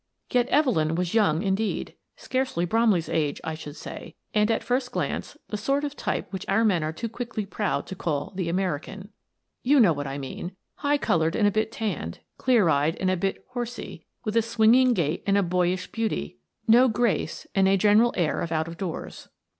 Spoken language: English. Yet Evelyn was young indeed — scarcely Brom ley's age, I should say — and, at first glance, the sort of type which our men are too quickly proud to call the American. You know what I mean — high coloured and a bit tanned, clear eyed and a bit "horsey," with a swinging gait and a boyish beauty, no grace, and a general air of out of doors.